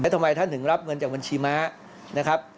แล้วทำไมท่านถึงรับเงินจากบัญชีม้า